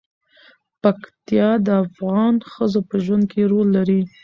پکتیا د افغان ښځو په ژوند کې رول لري.